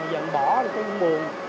giờ mình bỏ thì cũng buồn